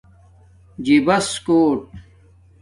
جِباس کوٹ